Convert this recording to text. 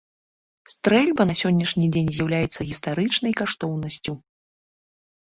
Стрэльба на сённяшні дзень з'яўляецца гістарычнай каштоўнасцю.